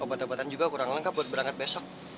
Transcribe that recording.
obat obatan juga kurang lengkap buat berangkat besok